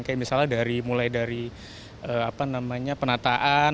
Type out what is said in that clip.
kayak misalnya mulai dari penataan